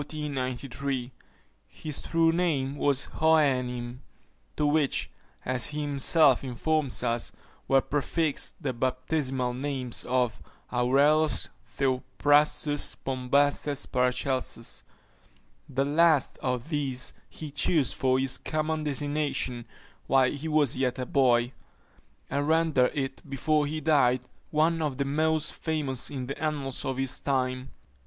His true name was Hohenheim; to which, as he himself informs us, were prefixed the baptismal names of Aureolus Theophrastus Bombastes Paracelsus. The last of these he chose for his common designation while he was yet a boy; and rendered it, before he died, one of the most famous in the annals of his time.